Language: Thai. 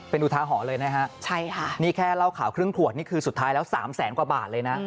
เป็นอุทาหอเลยนะฮะนี่แค่เล่าข่าวครึ่งขวดนี่คือสุดท้ายแล้ว๓แสนกว่าบาทเลยนะ